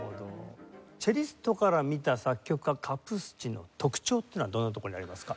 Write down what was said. チェリストから見た作曲家カプースチンの特徴っていうのはどんなところにありますか？